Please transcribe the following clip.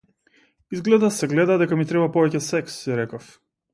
Изгледа се гледа дека ми треба повеќе секс, си реков.